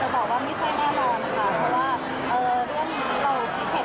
หรือเรื่องการแต่งงานเหรอที่มองไม่เหมือนกันแล้วทำให้จะต้องเออเราไม่รุมตัวกันกับพี่เวียอะไรอย่างเงี้ย